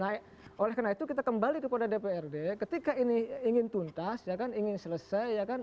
nah oleh karena itu kita kembali kepada dprd ketika ini ingin tuntas ya kan ingin selesai ya kan